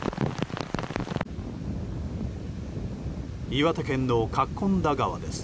岩手県の葛根田川です。